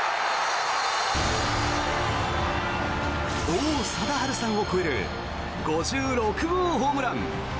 王貞治さんを超える５６号ホームラン。